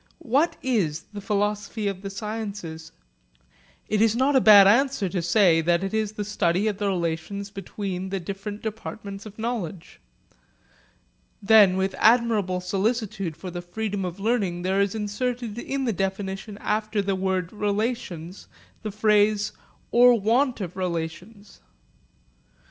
What is the philosophy of the sciences? It is not a bad answer to say that it is the study of the relations between the different departments of knowledge. Then with admirable solicitude for the freedom of learning there is inserted in the definition after the word 'relations' the phrase 'or want of relations.'